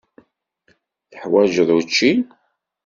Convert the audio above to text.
Teḥwaǧeḍ učči?